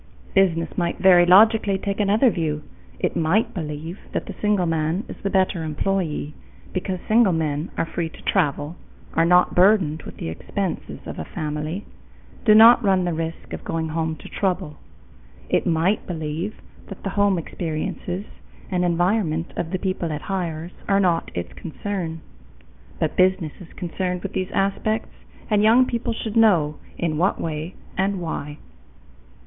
Business might very logically take another view. It might believe that the single man is the better employee, because single men are free to travel, are not burdened with the expenses of a family, do not run the risk of going home to trouble. It might believe that the home experiences and environment of the people it hires are not its concern. But business is concerned with these aspects and young people should know in what way and why.